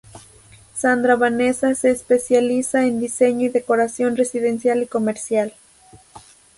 Sandra Vanessa se especializa en diseño y decoración residencial y comercial.